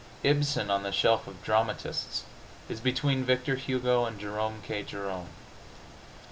Ibsen, on the shelf of dramatists, is between Victor Hugo and Jerome K. Jerome.